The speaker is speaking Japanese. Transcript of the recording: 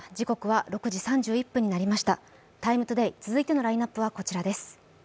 「ＴＩＭＥ，ＴＯＤＡＹ」続いてのラインナップはこちらです。